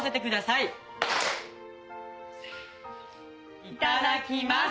いただきます。